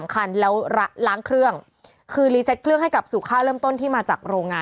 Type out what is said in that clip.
ข้อมูลล่ะ